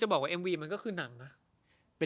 แต่ว่ามันก็มี